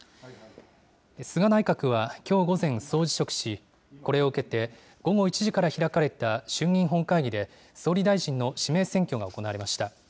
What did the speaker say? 菅内閣はきょう午前、総辞職し、これを受けて、午後１時から開かれた衆議院本会議で総理大臣の指名選挙が行われました。